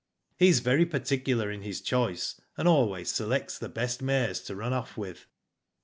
'* He is very particular in his choice, and always selects the best mares to run off with.